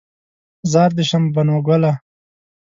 زار دې شم بنو ګله